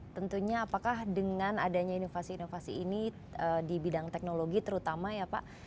tentunya apakah dengan adanya inovasi inovasi ini di bidang teknologi terutama ya pak